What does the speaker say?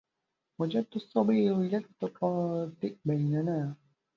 وجدوا السبيل إلى التقاطع بيننا